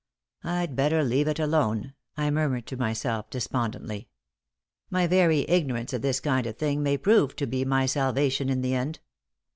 "I'd better leave it alone," I murmured to myself, despondently. "My very ignorance of this kind of thing may prove to be my salvation in the end.